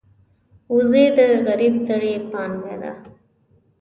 وزې د غریب سړي پانګه ده